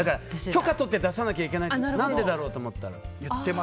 許可とって出さないといけないのは何でだろうって思ったら。